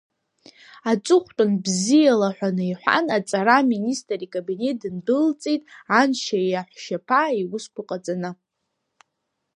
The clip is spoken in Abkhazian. Аҵыхәтәан бзиала ҳәа наиҳәан аҵара аминистр икабинет дындәылҵит аншьа иаҳәшьаԥа иусқәа ҟаҵаны.